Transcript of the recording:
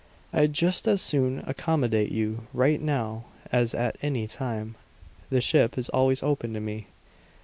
"I'd just as soon accommodate you right now as at any time. The ship is always open to me."